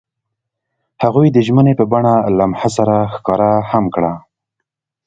هغوی د ژمنې په بڼه لمحه سره ښکاره هم کړه.